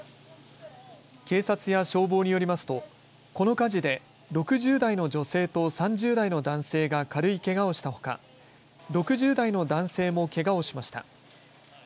警察や消防によりますとこの火事で６０代の女性と３０代の男性が軽いけがをしたほか６０代の男性もけがをしました。